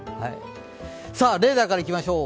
さあ、レーダーからいきましょう。